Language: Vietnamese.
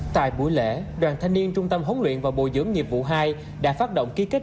tại buổi lễ đoàn thanh niên trung tâm huấn luyện và bồi dưỡng nghiệp vụ hai đã phát động ký kết